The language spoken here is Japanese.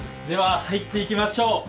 では、入っていきましょう。